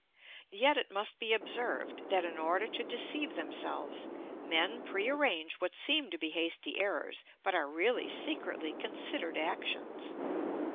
Yet it must be observed that, in order to deceive themselves, men prearrange what seem to be hasty errors, but are really secretly considered actions.